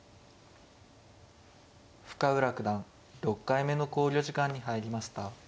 深浦九段６回目の考慮時間に入りました。